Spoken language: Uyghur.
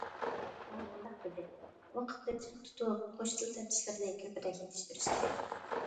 ئۇ مۇنداق دېدى: ۋاقىتنى چىڭ تۇتۇپ، قوش تىل تەپتىشلىرىنى كۆپرەك يېتىشتۈرۈش كېرەك.